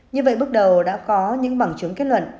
như vậy bước đầu đã có những bằng chứng kết luận